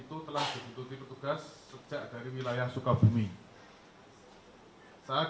ikut bela sungkawa rekan rekan dan tentunya ikut perhatian